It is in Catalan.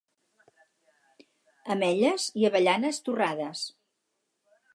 Ametlles i avellanes torrades